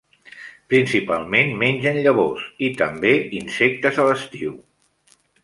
Principalment mengen llavors, i també insectes a l'estiu.